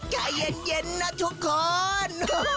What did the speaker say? ใจเย็นนะทุกคน